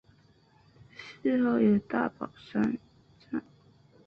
祠后有大宝山战役阵亡将士墓。